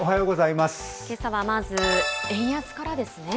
けさはまず、円安からですね。